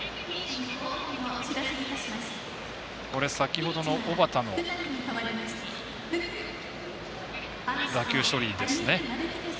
先ほどの小幡の打球処理です。